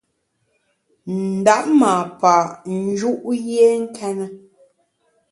Ndap ma pa’ nju’ yié nkéne.